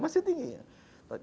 masih tinggi masih tinggi